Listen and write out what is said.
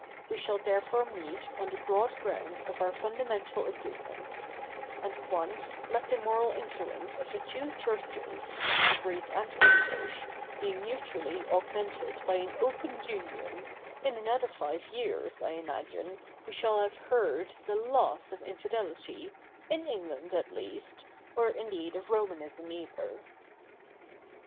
We shall therefore meet on the broad ground of our fundamental agreements ; and once let the moral influence of the two churches, the Greek and English, be mutually augmented by an open union, in another five years, I imagine, we shall have heard the last of infidelity, in England at least, or indeed of Romanism either.'